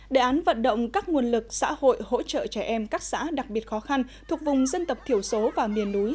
đề án vận động các nguồn lực xã hội hỗ trợ trẻ em các xã đặc biệt khó khăn thuộc vùng dân tộc thiểu số và miền núi